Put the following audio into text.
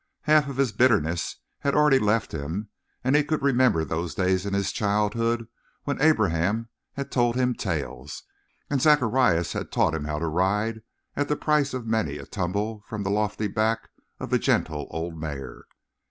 Half of his bitterness had already left him and he could remember those days in his childhood when Abraham had told him tales, and Zacharias had taught him how to ride at the price of many a tumble from the lofty back of the gentle old mare.